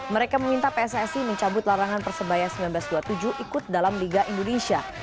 mereka meminta pssi mencabut larangan persebaya seribu sembilan ratus dua puluh tujuh ikut dalam liga indonesia